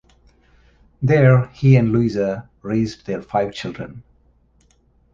There he and Louisa raised their five children.